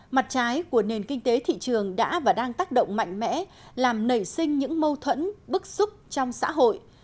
mặt trái của nền kinh tế thị trường đã và đang tác động mạnh mẽ làm nảy sinh những mâu thuẫn bức xúc trong xã hội